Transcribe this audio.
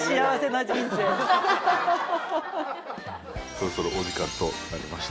そろそろお時間となりました。